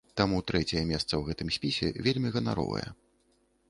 Таму трэцяе месца ў гэтым спісе вельмі ганаровае.